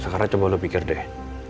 sekarang coba lo pikir deh